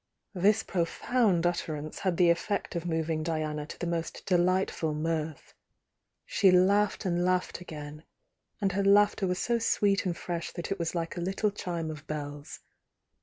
This profound utterance had the effect of moving Diana to the most deUghtful mirth. She laughed and laughed again,— and her laughter was so sweet and fresh that it was like a little chime of bells.